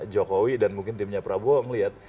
jokowi dan mungkin timnya prabowo melihat